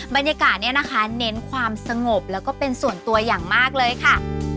บรรยากาศเนี่ยนะคะเน้นความสงบแล้วก็เป็นส่วนตัวอย่างมากเลยค่ะ